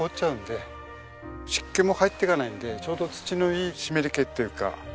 湿気も入っていかないんでちょうど土のいい湿り気っていうか。